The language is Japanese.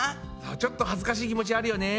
ちょっとはずかしい気持ちあるよね。